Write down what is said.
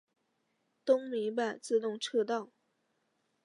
东名阪自动车道。